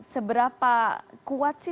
seberapa kuat seberapa besar gempuran narasi